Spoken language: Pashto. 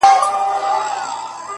جرس فرهاد زما نژدې ملگرى؛